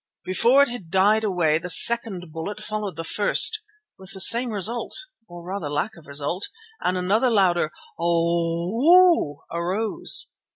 Before it had died away the second bullet followed the first, with the same result or rather lack of result, and another louder "O oh!" arose.